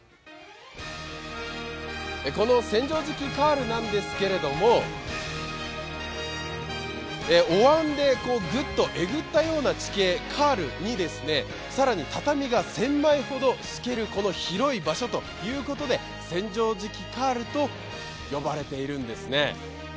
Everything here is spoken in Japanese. この千畳敷カールなんですけどもおわんで、えぐったような地形カールに、更に畳が１０００枚ほど敷ける広い場所ということで千畳敷カールと呼ばれているんですね。